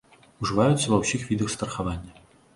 Ужываюцца ўва ўсіх відах страхавання.